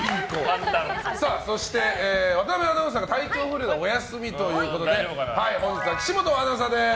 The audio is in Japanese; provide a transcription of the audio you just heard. そして、渡邊アナウンサーが体調不良でお休みということで本日は岸本アナウンサーです。